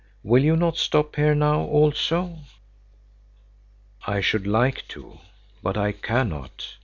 "Will you not stop here now also?" "I should like to, but I cannot.